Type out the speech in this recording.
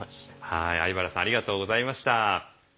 はい相原さんありがとうございました。